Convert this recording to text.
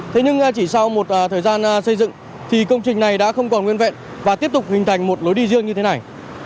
thế nhưng chỉ sau một thời gian xây dựng thì công trình này đã không còn nguyên vẹn và tiếp tục hình thành một lối đi riêng như thế này